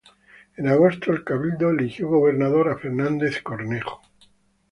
En agosto, el cabildo eligió gobernador a Fernández Cornejo.